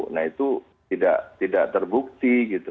nah itu tidak terbukti gitu